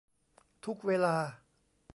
ทุกเวลา